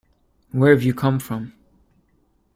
Where have you come from?